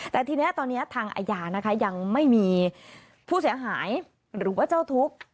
แต่ทีนี้ตอนนี้ทางอาญานะคะยังไม่มีผู้เสียหายหรือว่าเจ้าทุกข์